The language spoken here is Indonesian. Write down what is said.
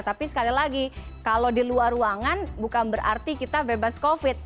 tapi sekali lagi kalau di luar ruangan bukan berarti kita bebas covid